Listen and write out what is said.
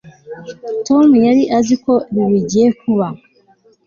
tom yari azi ko ibi bigiye kuba